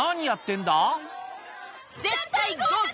絶対合格！